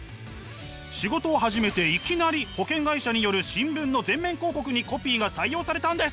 仕事を始めていきなり保険会社による新聞の全面広告にコピーが採用されたんです！